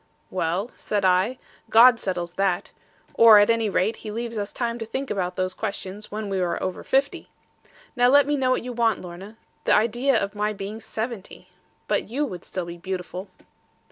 'Well,' said I, 'God settles that. Or at any rate, He leaves us time to think about those questions, when we are over fifty. Now let me know what you want, Lorna. The idea of my being seventy! But you would still be beautiful.'